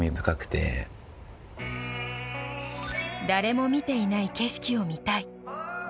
誰も見ていない景色を見たい。